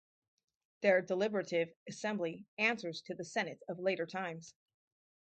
Their deliberative assembly answers to the senate of later times.